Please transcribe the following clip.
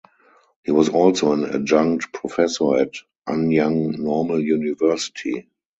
He was also an adjunct professor at Anyang Normal University.